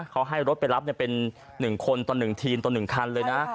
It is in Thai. เขาให้รถไปรับเป็น๑คนต่อ๑ทีมต่อ๑คันเลยนะ